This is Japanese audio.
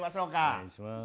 お願いします。